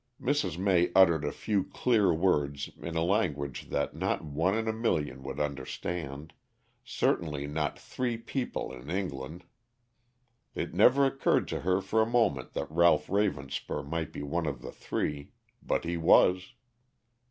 Mrs. May uttered a few clear words in a language that not one in a million would understand certainly not three people in England. It never occurred to her for a moment that Ralph Ravenspur might be one of the three, but he was.